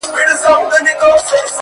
يوه د ميني زنده گي راوړي ـ